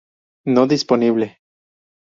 No disponible.